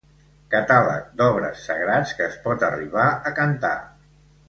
Catàleg d'obres sagrats que es pot arribar a cantar.